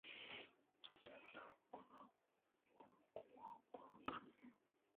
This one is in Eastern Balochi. ما گوانکواں بھا کنگ ءَ ایں